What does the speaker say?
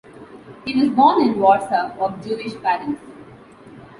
He was born in Warsaw, of Jewish parents.